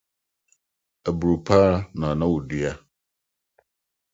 aburow pa ara na na wodua.